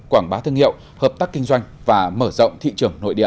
quảng bá thương hiệu hợp tác kinh doanh và mở rộng thị trường nội địa